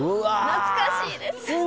懐かしいです！